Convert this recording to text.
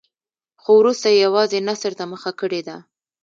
خو وروسته یې یوازې نثر ته مخه کړې ده.